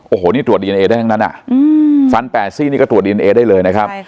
โอ้โหนี่ตรวจดีเอนเอได้ทั้งนั้นฟัน๘ซี่นี่ก็ตรวจดีเอนเอได้เลยนะครับ